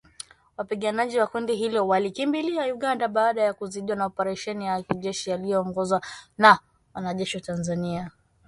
Wapiganaji wa kundi hilo walikimbilia Uganda baada ya kuzidiwa na operesheni ya kijeshi yaliyoongozwa na wanajeshi wa Tanzania,